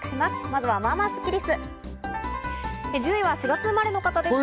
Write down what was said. まずは、まあまあスッキりす。